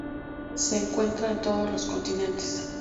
Se encuentra en todos los continentes.